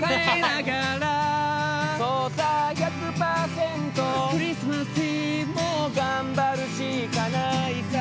「そうさ１００％」「クリスマス・イブ」「もうがんばるしかないさ」